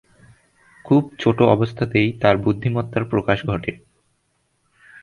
খুব ছোট অবস্থাতেই তার বুদ্ধিমত্তার প্রকাশ ঘটে।